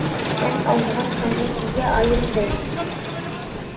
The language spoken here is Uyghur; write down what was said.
مەن ئالىدىغان ساننى سىزگە ئايرىم دەي.